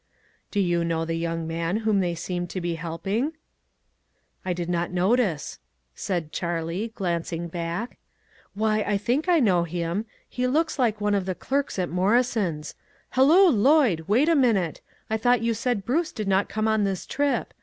Do you know the young man whom they seem to be helping ?" "I did not notice," said Charlie, glancing back ;" why, I think I know him ; he looks like one of the clerks at Morrison's. Halloo, Lloyd, wait a minute ; I thought you said Bruce did not come on this trip.